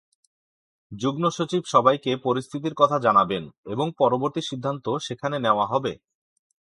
যুগ্ম সচিব সবাইকে পরিস্থিতির কথা জানাবেন এবং পরবর্তী সিদ্ধান্ত সেখানে নেওয়া হবে।